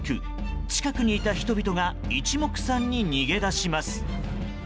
近くにいた人々が一目散に逃げ出します。